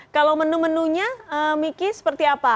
kalau menu menunya miki seperti apa